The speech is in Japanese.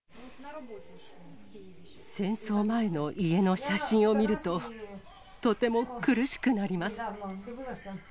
戦争前の家の写真を見ると、とても苦しくなります。